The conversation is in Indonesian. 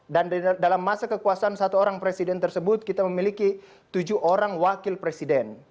dalam masa kekuasaan satu orang presiden tersebut kita memiliki tujuh orang wakil presiden